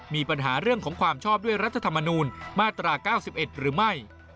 มีปัญหาเรื่องของความชอบด้วยรัฐธรรมนูลมาตรา๙๑หรือไม่